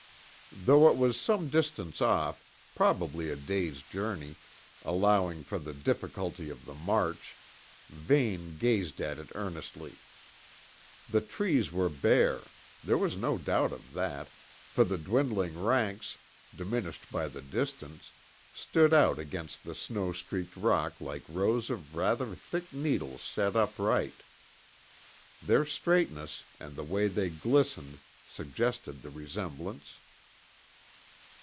Though it was some distance off, probably a day's journey, allowing for the difficulty of the march, Vane gazed at it earnestly. The trees were bare there was no doubt of that, for the dwindling ranks, diminished by the distance, stood out against the snow streaked rock like rows of rather thick needles set upright. Their straightness and the way they glistened suggested the resemblance.